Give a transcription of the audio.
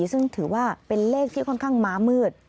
ซึ่งถือว่าเป็นเลขที่ค่อนข้างม้ามืด